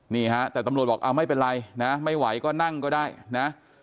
นี่ฮะแต่ตำรวจบอกเอาไม่เป็นไรนะไม่ไหวก็นั่งก็ได้นะ